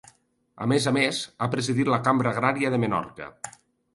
A més a més, ha presidit la Cambra Agrària de Menorca.